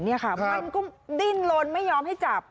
มันก็ดิ้นลนไม่ยอมให้จับ